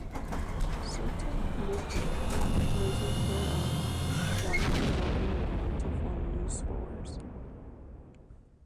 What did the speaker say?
Certain nuclei later pair up, one engulfing another, to form new spores.